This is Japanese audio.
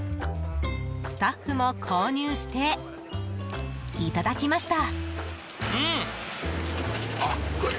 スタッフも購入していただきました！